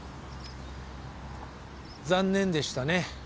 残念でしたね。